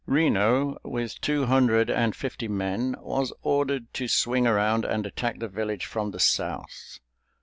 Reno with two hundred fifty men was ordered to swing around and attack the village from the South.